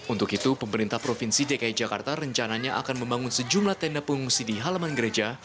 untuk itu pemerintah provinsi dki jakarta rencananya akan membangun sejumlah tenda pengungsi di halaman gereja